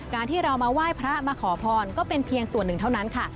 การที่เรามาไหว้พระมาขอพรก็เป็นเพียงส่วนหนึ่งเท่านั้นค่ะ